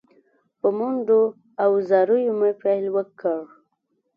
په منډو او زاریو مې پیل وکړ.